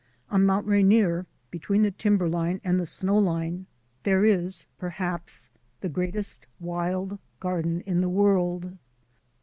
On Mount Rainier, between the timberline and the snow line, there is perhaps the greatest wild garden in the world.